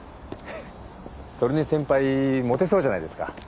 それに先輩モテそうじゃないですか。